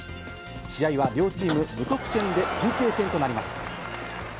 試合は両チーム無得点でＰＫ戦となります。